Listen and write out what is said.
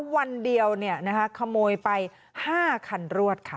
วันเดียวนะคะขโมยไป๕ครรวดค่ะ